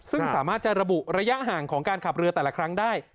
ซึ่งสามารถจะระบุระยะห่างของการขับเรือแต่ละครั้งได้